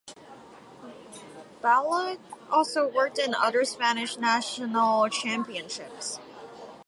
Bellot also worked in other Spanish national championships.